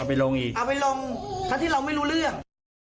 เอาไปลงอีกเพราะที่เราไม่รู้เรื่อง